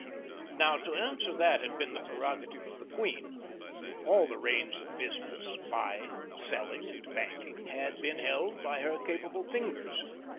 Now, to answer that had been the prerogative of the queen. All the reins of business—buying, selling, and banking—had been held by her capable fingers.